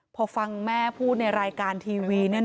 พอฟังแม่พูดในรายการทีวี